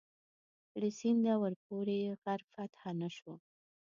له سینده ورپورې غر فتح نه شو.